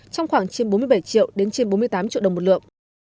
trên bốn mươi tám triệu đồng một lượng